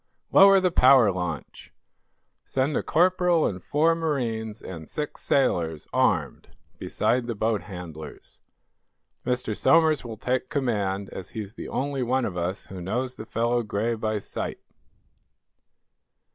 "Lower the power launch. Send a corporal and four marines, and six sailors, armed, beside the boat handlers. Mr. Somers will take command, as he's the only one of us who knows the fellow Gray by sight."